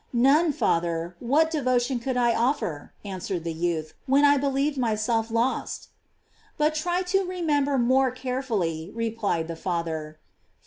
"None, Father; what devotion could I offer," answered the youth, when I be lieved myself lost?" "But try to remember more carefully," replied the Father.